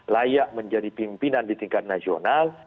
layak menjadi pimpinan di tingkat nasional